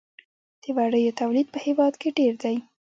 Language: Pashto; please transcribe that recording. د وړیو تولید په هیواد کې ډیر دی